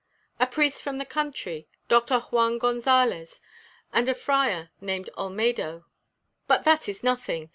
"A priest from the country, Doctor Juan Gonzalez, and a friar named Olmedo. But that is nothing.